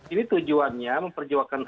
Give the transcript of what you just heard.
ini tujuannya memperjuangkan